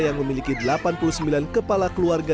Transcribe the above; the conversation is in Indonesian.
yang memiliki delapan puluh sembilan kepala keluarga